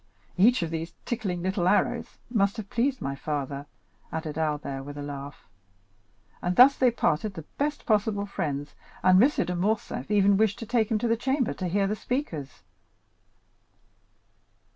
Each of these little tickling arrows must have pleased my father," added Albert with a laugh. "And thus they parted the best possible friends, and M. de Morcerf even wished to take him to the Chamber to hear the speakers."